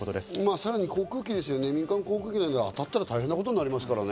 さらに民間航空機などに当たったら大変なことになりますからね。